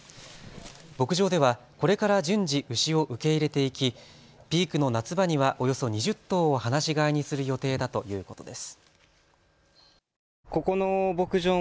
牧場ではこれから順次、牛を受け入れていきピークの夏場にはおよそ２０頭を放し飼いにする予定だということです。